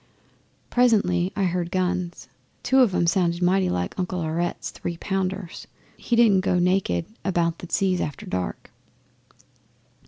'Presently I heard guns. Two of 'em sounded mighty like Uncle Aurette's three pounders. He didn't go naked about the seas after dark.